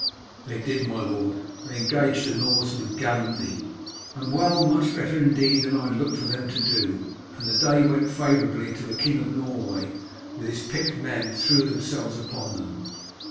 "They did, my lord. They engaged the Norsemen gallantly and well much better, indeed, than I had looked for them to do, and the day went favourably until the King of Norway with his picked men threw themselves upon them.